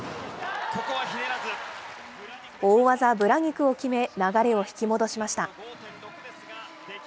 大技、ブラニクを決め、流れを引き戻しました。